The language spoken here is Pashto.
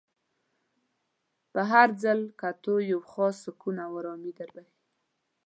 په هر ځل کتو یو خاص سکون او ارامي در بخښي.